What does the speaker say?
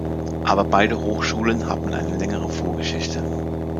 Aber beide Hochschulen haben eine längere Vorgeschichte.